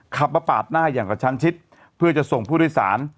ขับมาปาดหน้าอย่างกับชั้นชิดเพื่อจะส่งผู้โดยสาร